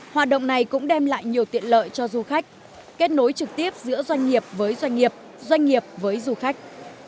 hoạt động này cũng đem lại nhiều tiện lợi cho du khách kết nối trực tiếp giữa doanh nghiệp với doanh nghiệp doanh nghiệp với du khách